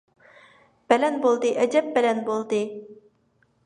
بەلەن بولدى، ئەجەپ بەلەن بولدى!